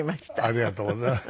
ありがとうございます。